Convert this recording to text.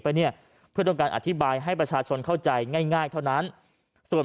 เนี่ยเพื่อต้องการอธิบายให้ประชาชนเข้าใจง่ายเท่านั้นส่วน